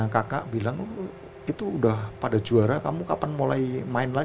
kalau hujan juga kebocoran